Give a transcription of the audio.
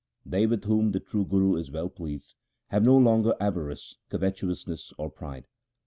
2 They with whom the True Guru is well pleased, have no longer avarice, covetousness, or pride.